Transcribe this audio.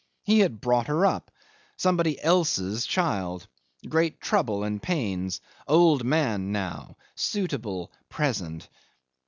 He had brought her up. Somebody else's child. Great trouble and pains old man now suitable present.